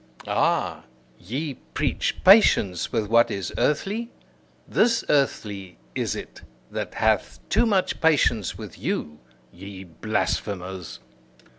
Ah! ye preach patience with what is earthly? This earthly is it that hath too much patience with you, ye blasphemers!